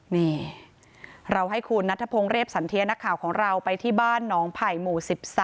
นี่เราให้คุณนัทพงศ์เรียบสันเทียนักข่าวของเราไปที่บ้านหนองไผ่หมู่๑๓